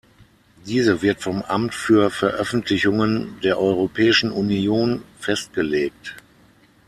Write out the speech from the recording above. Diese wird vom Amt für Veröffentlichungen der Europäischen Union festgelegt.